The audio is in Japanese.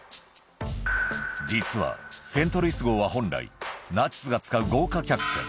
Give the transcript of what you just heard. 実はセントルイス号は本来、ナチスが使う豪華客船。